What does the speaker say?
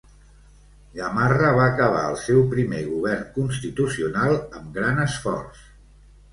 Gamarra va acabar el seu primer govern constitucional amb gran esforç.